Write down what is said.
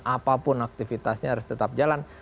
apapun aktivitasnya harus tetap jalan